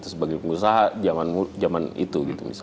sebagai pengusaha zaman itu